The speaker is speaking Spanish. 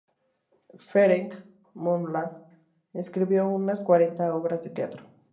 Ferenc Molnár escribió unas cuarenta obras de teatro.